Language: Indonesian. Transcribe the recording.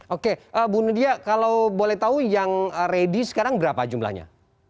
oke bu nadia kalau boleh tahu yang ready sekarang berapa jumlahnya